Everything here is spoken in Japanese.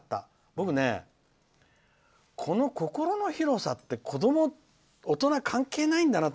僕ね、この心の広さって子ども、大人関係ないんだなって。